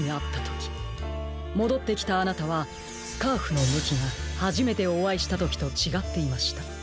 もどってきたあなたはスカーフのむきがはじめておあいしたときとちがっていました。